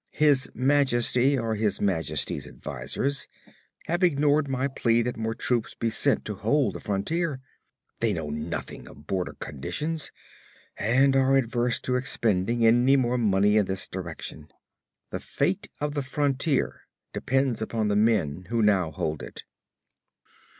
His majesty, or his majesty's advisers, have ignored my plea that more troops be sent to hold the frontier. They know nothing of border conditions, and are averse to expending any more money in this direction. The fate of the frontier depends upon the men who now hold it.